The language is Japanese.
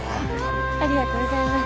ありがとうございます。